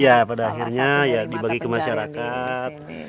iya pada akhirnya dibagi ke masyarakat